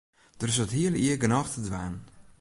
Der is it hiele jier genôch te dwaan.